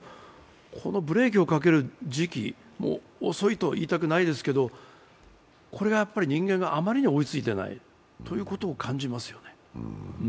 このブレーキをかける時期も遅いとは言いたくないですけれど、これが人間があまりに追いついていないことを感じます。